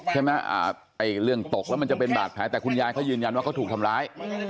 เรื่องตกแล้วมันจะเป็นบาดแผลแต่คุณยายเขายืนยันว่าเขาถูกทำร้าย